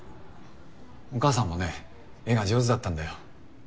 お母さんもね絵が上手だったんだよ。